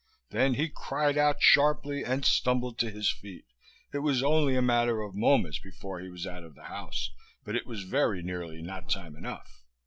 Then he cried out sharply and stumbled to his feet. It was only a matter of moments before he was out of the house, but it was very nearly not time enough.